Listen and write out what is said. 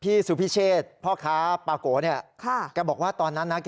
พี่สุพิเชษฐพ่อค้าปะก๋าเนี่ยแกบอกว่าทอนนั้นนะครับ